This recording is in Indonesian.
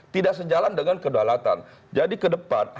tidak sejalan dengan kedaulatan jadi ke depan